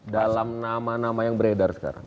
dalam nama nama yang beredar sekarang